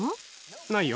ないよ。